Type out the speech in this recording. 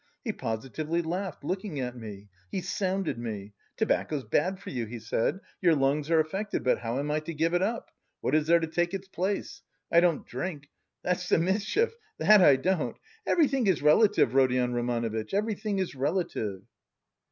He positively laughed looking at me; he sounded me: 'Tobacco's bad for you,' he said, 'your lungs are affected.' But how am I to give it up? What is there to take its place? I don't drink, that's the mischief, he he he, that I don't. Everything is relative, Rodion Romanovitch, everything is relative!"